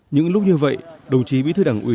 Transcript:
những lúc như vậy đồng chí bí thư đảng ủy